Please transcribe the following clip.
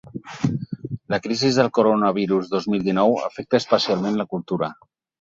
La crisi del coronavirus dos mil dinou afecta especialment la cultura.